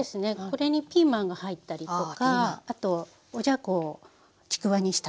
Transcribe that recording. これにピーマンが入ったりとかあとおじゃこをちくわにしたりとか。